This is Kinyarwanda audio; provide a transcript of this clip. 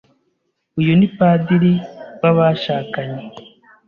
Uyu ni padiri wabashakanye.